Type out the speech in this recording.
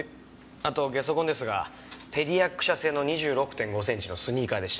あとゲソ痕ですがペディアック社製の２６．５センチのスニーカーでした。